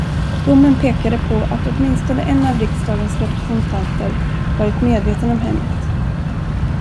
Domen pekade på att åtminstone en av riksdagens representanter varit medveten om hemmet.